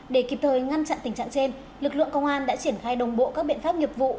để kịp thời ngăn chặn tình trạng trên lực lượng công an đã triển khai đồng bộ các biện pháp nghiệp vụ